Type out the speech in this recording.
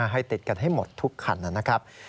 ให้ติดกันให้หมดทุกคันนะครับ